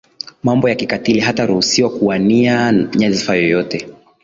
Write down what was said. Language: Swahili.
mambo ya kikatili hataruhusiwa kuania nyadhifa yoyote